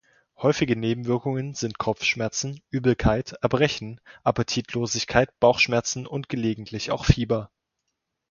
Häufige Nebenwirkungen sind Kopfschmerzen, Übelkeit, Erbrechen, Appetitlosigkeit, Bauchschmerzen und gelegentlich auch Fieber.